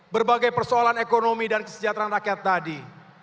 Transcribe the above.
berbagai persoalan ekonomi dan kesejahteraan rakyat tadi